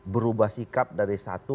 berubah sikap dari satu ke yang satu